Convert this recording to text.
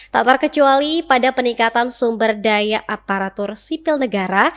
tak terkecuali pada peningkatan sumber daya aparatur sipil negara